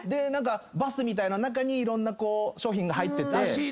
バスみたいな中にいろんな商品が入ってて。